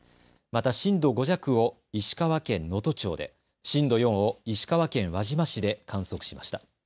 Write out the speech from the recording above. また震度５弱を石川県能登町で、震度４を石川県輪島市で観測しました。